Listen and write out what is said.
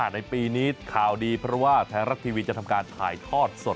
ในปีนี้ข่าวดีเพราะว่าไทยรัฐทีวีจะทำการถ่ายทอดสด